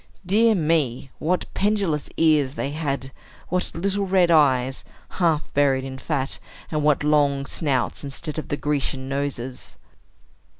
Dear me! what pendulous ears they had! what little red eyes, half buried in fat! and what long snouts, instead of Grecian noses!